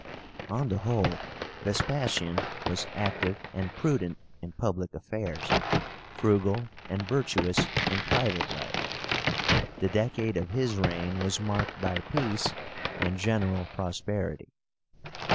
On the whole, Vespasian was active and prudent in public affairs, frugal and virtuous in private life. The decade of his reign was marked by peace and general prosperity.